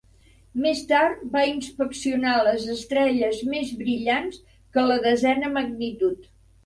Més tard va inspeccionar les estrelles més brillants que la desena magnitud.